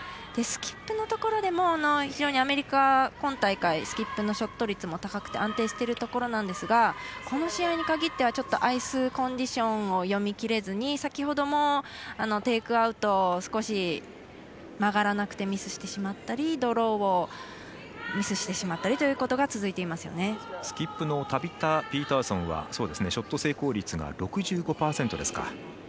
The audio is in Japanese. スキップのところでも非常にアメリカ今大会、スキップのショット率も高くて安定しているところなんですがこの試合に限ってはちょっとアイスコンディションを読みきれずに、先ほどもテイクアウト少し曲がらなくてミスしてしまったりドローをミスしてしまったりということがスキップのタビタ・ピーターソンはショット成功率が６５％ですか。